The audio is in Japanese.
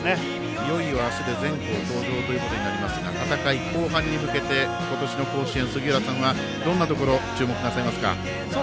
いよいよあすで全校登場となりますが戦い後半に向けて今年の甲子園、杉浦さんはどんなところ注目なされますか。